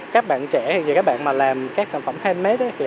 các bạn trẻ hay các bạn làm sản phẩm handmade